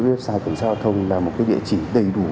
cảnh sát giao thông là một địa chỉ đầy đủ